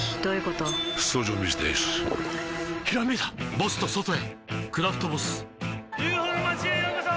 ボスと外へ「クラフトボス」ＵＦＯの町へようこそ！